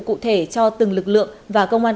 cụ thể cho từng lực lượng và công an